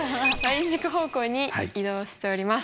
軸方向に移動しております。